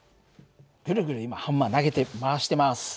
ぐるぐる今ハンマー回してます。